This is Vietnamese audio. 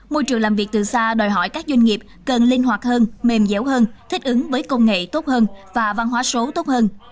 môi trường làm việc từ xa đòi hỏi các doanh nghiệp cần linh hoạt hơn mềm dẻo hơn thích ứng với công nghệ tốt hơn và văn hóa số tốt hơn